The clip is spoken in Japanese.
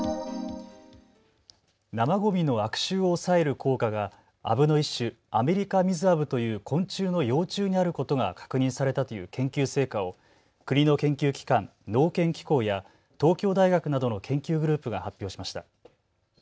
生ごみの悪臭を抑える効果がアブの一種、アメリカミズアブという昆虫の幼虫にあることが確認されたという研究成果を国の研究機関、農研機構や東京大学などの研究グループが発表しました。